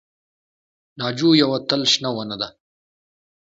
ناجو یوه تل شنه ونه ده